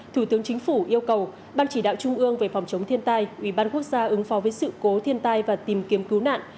thủ tướng chính phủ yêu cầu ban chỉ đạo trung ương về phòng chống thiên tai ubnd ứng phó với sự cố thiên tai và tìm kiếm cứu nạn